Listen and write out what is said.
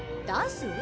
「ダンス」？